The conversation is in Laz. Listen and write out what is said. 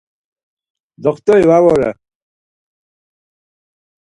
Doxtori va vore.